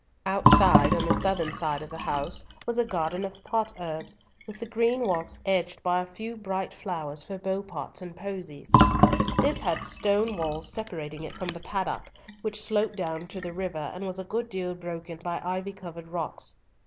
Outside, on the southern side of the house, was a garden of potherbs, with the green walks edged by a few bright flowers for beau pots and posies. This had stone walls separating it from the paddock, which sloped down to the river, and was a good deal broken by ivy covered rocks.